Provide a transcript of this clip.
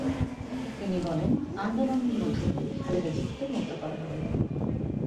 তিনি বলেন, আন্দোলনের মধ্যে দিয়েই খালেদা জিয়াকে মুক্ত করা হবে।